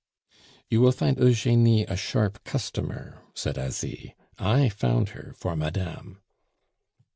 "You will find Eugenie a sharp customer," said Asie. "I found her for madame."